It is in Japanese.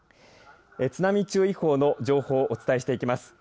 津波注意報の情報をお伝えします。